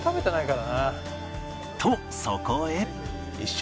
とそこへ